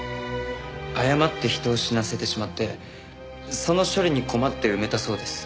過って人を死なせてしまってその処理に困って埋めたそうです。